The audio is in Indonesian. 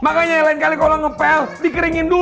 makanya lain kali kalau ngepel dikeringin dulu